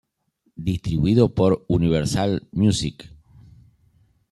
Distribuido por "Universal Music".